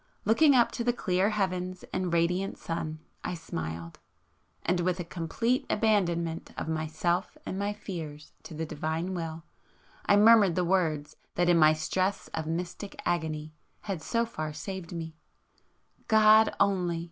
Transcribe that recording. Looking up to the clear heavens and radiant sun, I smiled; and with a complete abandonment of myself and my fears to the Divine Will, I murmured the words that in my stress of mystic agony had so far saved me,— "God only!